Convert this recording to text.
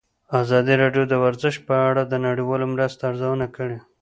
ازادي راډیو د ورزش په اړه د نړیوالو مرستو ارزونه کړې.